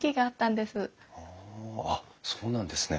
あっそうなんですね。